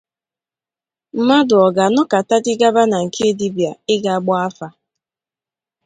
Mmadụ ọ ga-anọkatadị gaba na nke dibịa ịga gbaa afa?